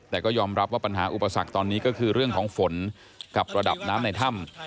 แต่ก็ยอมรับว่าปัญหาอุปสรรคตอนนี้ก็คือเรื่องของฝนกับระดับน้ำในถ้ำ